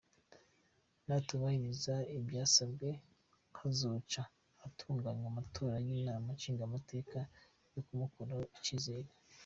Natubahiriza ivyasabwe, hazoca hatunganywa amatora y'inama nshingamateka yo kumukurako icizere.